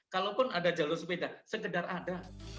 kalaupun ada jalur sepeda sekedar ada